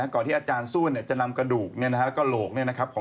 ก่อนที่อาจารย์สู้นจะนำกระดูกและโหลกของเสือบี้